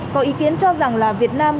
có ý kiến cho rằng là việt nam